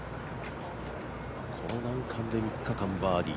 この難関で３日間バーディー